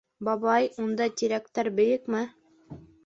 — Бабай, унда тирәктәр бейекме?